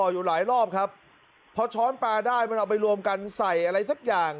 อยู่หลายรอบครับพอช้อนปลาได้มันเอาไปรวมกันใส่อะไรสักอย่าง